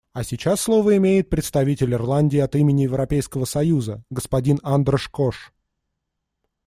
А сейчас слово имеет представитель Ирландии от имени Европейского союза — господин Андраш Кош.